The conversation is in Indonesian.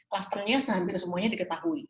cluster nya hampir semuanya diketahui